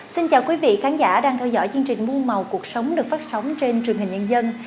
xin chào quý vị khán giả đang theo dõi chương trình mua màu cuộc sống được phát sóng trên truyền hình nhân dân